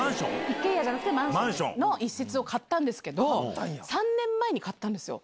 一軒家じゃなくて、マンションの一室を買ったんですけど、３年前に買ったんですよ。